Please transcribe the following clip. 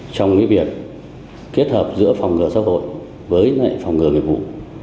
trong việc kết hợp giữa phòng ngừa xã hội với phòng ngừa nghiệp vụ